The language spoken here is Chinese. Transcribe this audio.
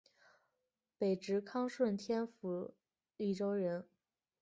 北直隶顺天府蓟州人。